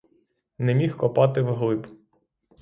Не міг копати вглиб.